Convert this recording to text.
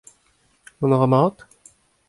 Mont a ra mat ?